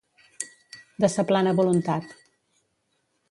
De sa plana voluntat.